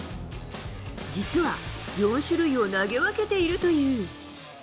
実は４種類を投げ分けているという。